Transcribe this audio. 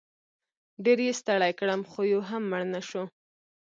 ډېر یې ستړی کړم خو یو هم مړ نه شو.